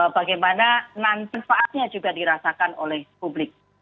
bagaimana nantinya juga dirasakan oleh publik